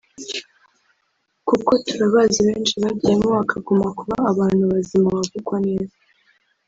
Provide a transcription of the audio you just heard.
kuko turabazi benshi bagiyemo bakaguma kuba abantu bazima bavugwa neza [